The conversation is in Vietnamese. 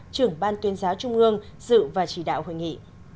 trưởng ban tuyên giáo trung ương dự và chỉ đạo hội nghị